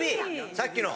さっきの。